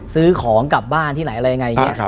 ซื้อของกลับบ้านที่ไหนอะไรยังไงอย่างนี้